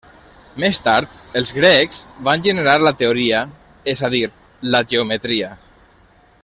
Més tard, els grecs, van generar la teoria, és a dir, la geometria.